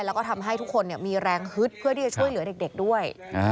แล้วก็ทำให้ทุกคนมีแรงฮึดเพื่อที่จะช่วยเหลือเด็กด้วย